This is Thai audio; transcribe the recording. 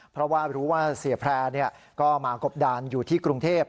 เพราะว่ารู้ว่าเสียแพร่ก็มากบดานอยู่ที่กรุงเทพ